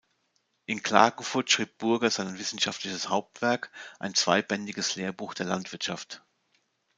In Klagenfurt schrieb Burger sein wissenschaftliches Hauptwerk, ein zweibändiges ""Lehrbuch der Landwirthschaft"".